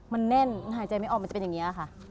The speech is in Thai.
มันแน่นหายใจไม่ออกมันจะเป็นอย่างนี้ค่ะ